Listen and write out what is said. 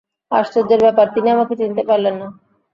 আশ্চর্যের ব্যাপার, তিনি আমাকে চিনতে পারলেন না!